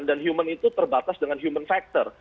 dan human itu terbatas dengan human factor